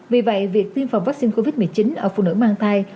vì vậy việc tiêm phòng vaccine covid một mươi chín ở phụ nữ mang thai